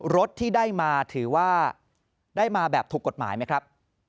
รถที่ได้มาถือว่าได้มาแบบถูกกฎหมายไหมครับ